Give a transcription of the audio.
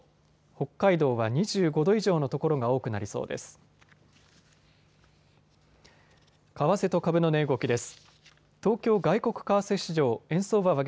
北海道は２５度以上の所が多くなりそうです。